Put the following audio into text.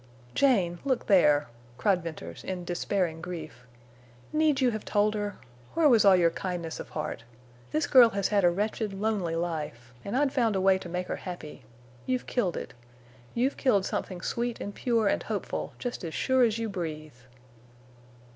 "Jane, look there!" cried Venters, in despairing grief. "Need you have told her? Where was all your kindness of heart? This girl has had a wretched, lonely life. And I'd found a way to make her happy. You've killed it. You've killed something sweet and pure and hopeful, just as sure as you breathe."